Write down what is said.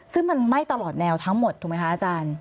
ซึ่งมันไหม้ตลอดแนวทั้งหมดถูกไหมคะอาจารย์